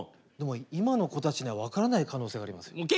でも今の子たちには分からない可能性がありますよ。